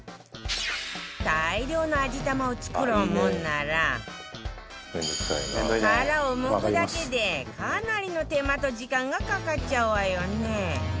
大量の味玉を作ろうもんなら殻をむくだけでかなりの手間と時間がかかっちゃうわよね